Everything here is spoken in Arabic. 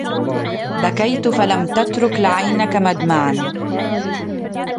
بكيت فلم تترك لعينك مدمعا